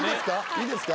いいですか？